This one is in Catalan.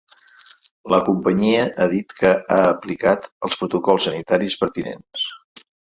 La companyia ha dit que ha aplicat els protocols sanitaris pertinents.